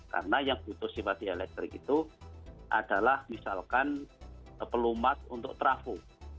karena yang butuh sifat dielektrik itu adalah misalkan pelumat untuk trafo